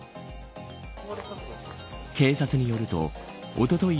警察によるとおととい